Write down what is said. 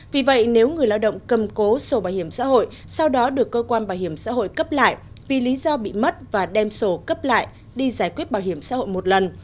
vì vậy nếu người lao động cầm cố sổ bảo hiểm xã hội sau đó được cơ quan bảo hiểm xã hội cấp lại vì lý do bị mất và đem sổ cấp lại đi giải quyết bảo hiểm xã hội một lần